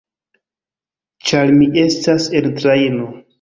Ĉar mi estas en trajno.